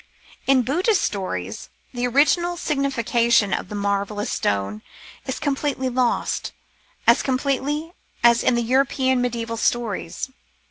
In Buddhist stories, the original signification of the marvellous stone is completely lost, as completely as in the European mediaeval stories.